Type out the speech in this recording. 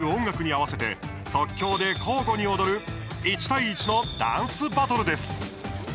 ＤＪがかける音楽に合わせて即興で交互に踊る１対１のダンスバトルです。